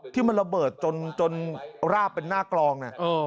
ที่มันระเบิดจนราบเป็นหน้ากลองเนี่ย